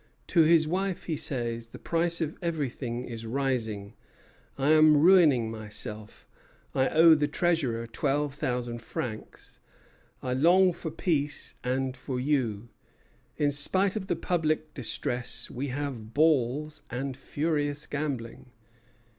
To his wife he says: "The price of everything is rising. I am ruining myself; I owe the treasurer twelve thousand francs. I long for peace and for you. In spite of the public distress, we have balls and furious gambling."